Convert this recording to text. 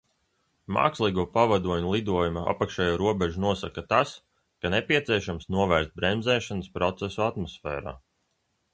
Mākslīgo pavadoņu lidojuma apakšējo robežu nosaka tas, ka nepieciešams novērst bremzēšanas procesu atmosfērā.